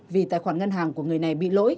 vì tài khoản ngân hàng của người này bị lỗi